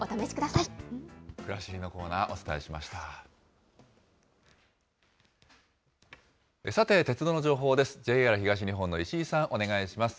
さて、鉄道の情報です。